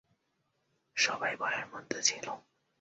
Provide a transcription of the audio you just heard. সবাই ভয়ের মধ্যে ছিল।